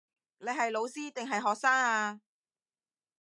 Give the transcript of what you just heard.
你係老師定係學生呀